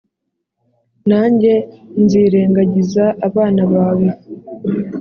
nanjye nzirengagiza abana bawe.